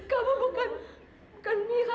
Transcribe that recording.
kamu bukan bukan mira